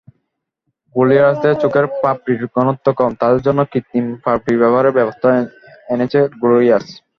গ্লোরিয়াসযাদের চোখের পাপড়ির ঘনত্ব কম, তাদের জন্য কৃত্রিম পাপড়ি ব্যবহারের ব্যবস্থা এনেছে গ্লোরিয়াস।